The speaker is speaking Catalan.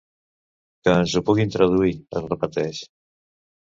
Que ens ho pugui traduir, es repeteix.